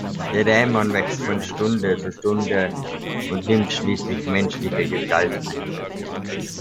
Der Dämon wächst von Stunde zu Stunde und nimmt schließlich menschliche Gestalt an.